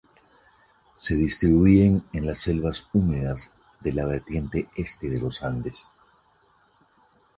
Se distribuyen en las selvas húmedas de la vertiente Este de Los Andes.